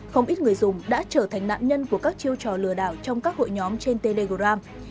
không ít người dùng đã trở thành nạn nhân của các chiêu trò lừa đảo trong các hội nhóm trên telegram